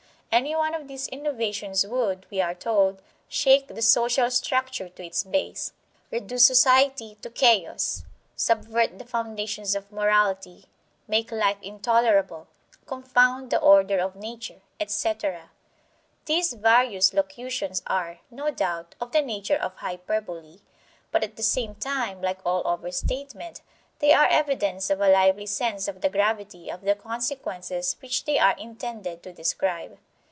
Any one of these innovations would, we are told, "shake the social structure to its base," "reduce society to chaos," "subvert the foundations of morality," "make life intolerable," "confound the order of nature," etc. These various locutions are, no doubt, of the nature of hyperbole; but, at the same time, like all overstatement, they are evidence of a lively sense of the gravity of the consequences which they are intended to describe.